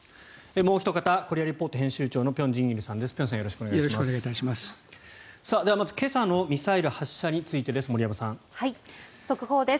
もうおひと方「コリア・レポート」編集長の辺真一さんです。